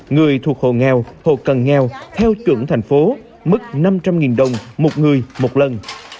người thuộc hộ nghèo hộ cần nghèo theo chuẩn thành phố mức năm trăm linh đồng một người một lần